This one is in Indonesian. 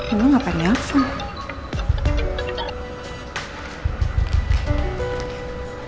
emang apaan ya fah